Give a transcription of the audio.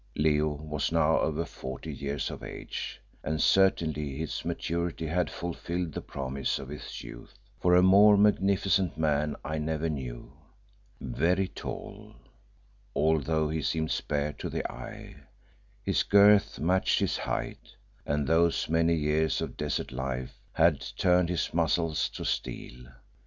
Leo was now over forty years of age, and certainly his maturity had fulfilled the promise of his youth, for a more magnificent man I never knew. Very tall, although he seemed spare to the eye, his girth matched his height, and those many years of desert life had turned his muscles to steel.